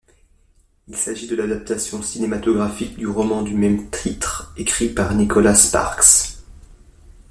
Il s’agit de l’adaptation cinématographique du roman du même titre écrit par Nicholas Sparks.